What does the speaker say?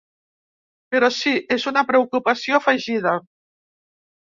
Però sí, és una preocupació afegida.